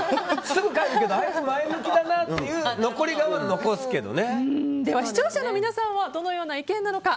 すぐ帰るけどあいつ前向きだなっていう残り香はでは、視聴者の皆さんはどのような意見なのか。